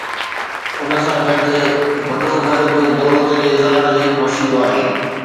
ان سان گڏ وڏو گهر به دولت جي اظهار جو هڪ وسيلو آهي.